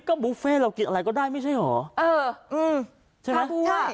ก็บุฟเฟ่เรากินอะไรก็ได้ไม่ใช่เหรอเอออืมใช่ไหม